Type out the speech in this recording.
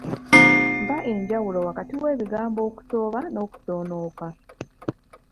Mpa enjawulo wakati w'ebigambo: Okusooba n'okusoonooka.